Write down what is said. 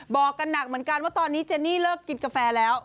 บอกกันหนักเหมือนกันว่าตอนนี้เจนี่เลิกกินกาแฟแล้ว